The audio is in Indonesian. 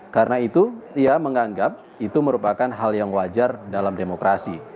karena itu ia menganggap itu merupakan hal yang wajar dalam demokrasi